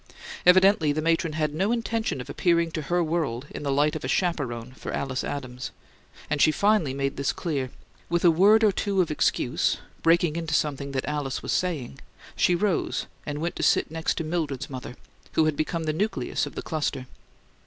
Evidently the matron had no intention of appearing to her world in the light of a chaperone for Alice Adams; and she finally made this clear. With a word or two of excuse, breaking into something Alice was saying, she rose and went to sit next to Mildred's mother, who had become the nucleus of the cluster.